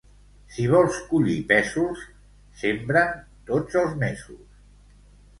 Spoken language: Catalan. Si vols collir pèsols, sembra'n tots els mesos.